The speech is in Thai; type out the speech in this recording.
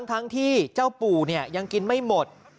ทั้งที่เจ้าปู่ยังกินไม่หมด